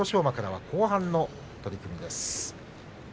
馬からは後半の取組です。